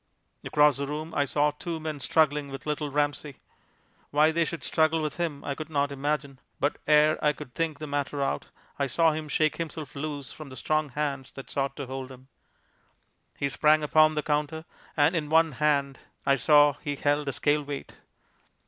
Across the room I saw two men struggling with Little Ramsey. Why they should struggle with him I could not imagine, but ere I could think the matter out, I saw him shake himself loose from the strong hands that sought to hold him. He sprang upon the counter, and in one hand I saw he held a scale weight.